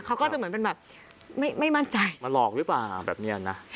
เขาก็จะเหมือนเป็นแบบไม่มั่นใจมาหลอกหรือเปล่าแบบนี้นะ